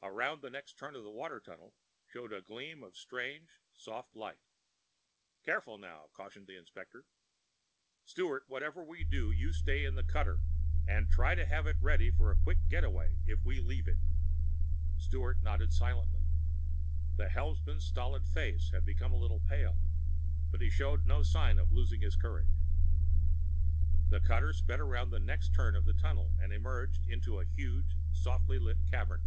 Around the next turn of the water tunnel showed a gleam of strange, soft light. "Careful, now!" cautioned the inspector. "Sturt, whatever we do, you stay in the cutter. And try to have it ready for a quick getaway, if we leave it." Sturt nodded silently. The helmsman's stolid face had become a little pale, but he showed no sign of losing his courage. The cutter sped around the next turn of the tunnel and emerged into a huge, softly lit cavern.